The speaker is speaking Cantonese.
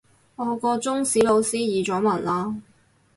我個中史老師移咗民喇